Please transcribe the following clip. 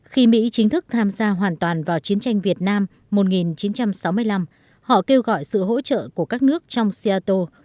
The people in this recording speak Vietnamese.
khi mỹ chính thức tham gia hoàn toàn vào chiến tranh việt nam một nghìn chín trăm sáu mươi năm họ kêu gọi sự hỗ trợ của các nước trong seattle